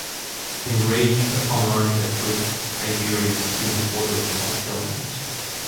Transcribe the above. Enraged upon learning the truth, Tiberius soon ordered more killings.